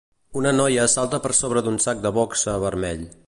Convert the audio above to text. Una noia salta per sobre d'un sac de boxa vermell.